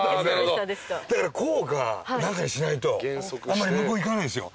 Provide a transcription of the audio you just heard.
だからこうか何かしないとあんまり向こう行かないですよ。